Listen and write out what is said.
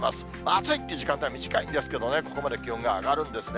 暑いっていう時間帯は短いんですけどね、ここまで気温が上がるんですね。